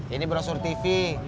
ini brosur tv